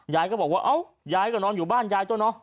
ยายก็บอกว่าเอ้ายายก็นอนอยู่บ้านยายตัวเนาะ